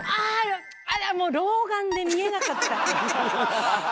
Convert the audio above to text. あっもう老眼で見えなかった。